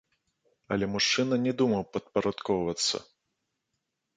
Але мужчына не думаў падпарадкоўвацца.